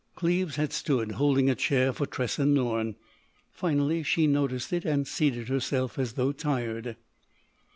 Cleves had stood holding a chair for Tressa Norne. Finally she noticed it and seated herself as though tired.